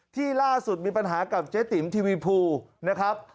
ที่ล่าสุดมีปัญหากับเจ๊ติ๋มทีวีภูนะครับ